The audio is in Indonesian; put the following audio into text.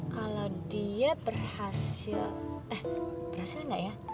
kalau dia berhasil eh berhasil nggak ya